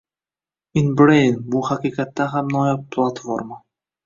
In Brain — bu haqiqatan ham noyob platforma